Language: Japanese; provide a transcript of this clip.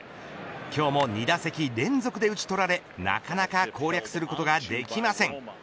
今日も２打席連続で打ち取られなかなか攻略することができません。